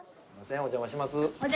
お邪魔します。